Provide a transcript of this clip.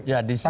ya di sana